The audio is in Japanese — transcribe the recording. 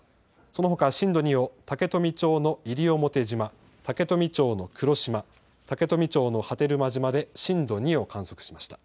そのほか震度２を竹富町の西表島、竹富町の黒島、竹富町の波照間島で震度２を観測しました。